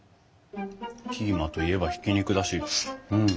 キーマといえばひき肉だしうん。